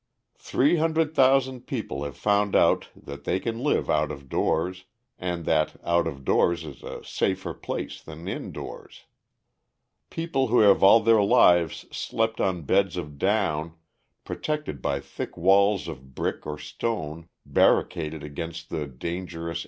] "Three hundred thousand people have found out that they can live out of doors, and that out of doors is a safer place than indoors. "People who have all their lives slept on beds of down, protected by thick walls of brick or stone, barricaded against the dangerous